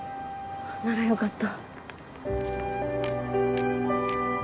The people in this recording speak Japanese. ならよかった。